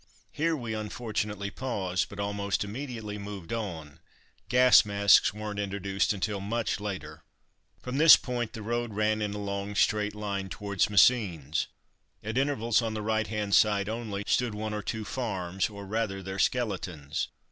Here we unfortunately paused, but almost immediately moved on (gas masks weren't introduced until much later!). From this point the road ran in a long straight line towards Messines. At intervals, on the right hand side only, stood one or two farms, or, rather, their skeletons.